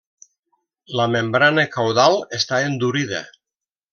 La membrana caudal està endurida.